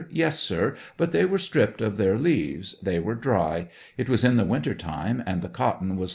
Yes, sir ; but they were stripped of their leaves ; they were dry ; it was in the winter time, and the cot ton was